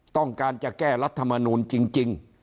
ต้องการจะแก้รัฐมนูลจริง